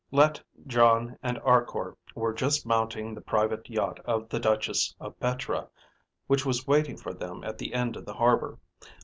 Let, Jon, and Arkor were just mounting the private yacht of the Duchess of Petra which was waiting for them at the end of the harbor.